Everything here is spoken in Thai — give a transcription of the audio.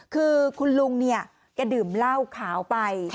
คือคุณลุงเนี่ยแกดื่มเหล้าขาวไป